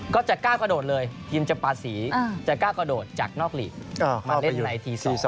ก็จะก้าวกระโดดเลยทีมจะปาสีจะกล้ากระโดดจากนอกลีกมาเล่นในที๔๒